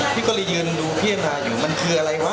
พี่ก็เลยยืนดูพิจารณาอยู่มันคืออะไรวะ